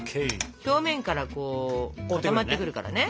表面からこう固まってくるからね。